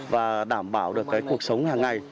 và đảm bảo được cuộc sống hàng ngày